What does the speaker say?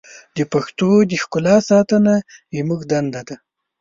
د پښتو د ښکلا ساتنه زموږ دنده ده.